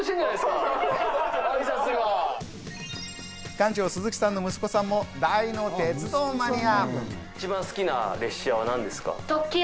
館長・鈴木さんの息子さんも大の鉄道マニア。